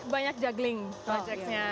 banyak juggling proyeknya